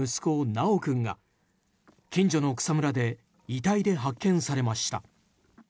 修君が近所の草むらで遺体で発見されました。